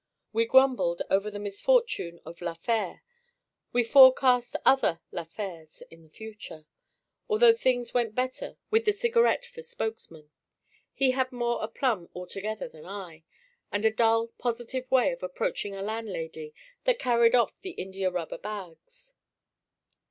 We grumbled over the misfortune of La Fère; we forecast other La Fères in the future;—although things went better with the Cigarette for spokesman; he had more aplomb altogether than I; and a dull, positive way of approaching a landlady that carried off the india rubber bags.